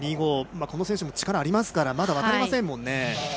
この選手も力ありますからまだ分かりませんもんね。